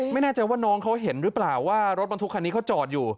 ไม่แน่ใจว่าน้องเขาเห็นหรือเปล่าว่ารถบรรทุกคันนี้เขาจอดอยู่